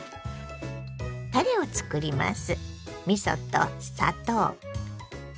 たれをつくります。